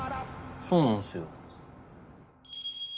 そうなんすよ。